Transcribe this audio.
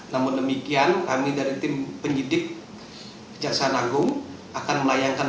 namun demikian kami dari tim penyidik kejaksaan agung akan melayangkan